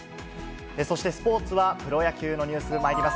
そして、スポーツはプロ野球のニュース、まいります。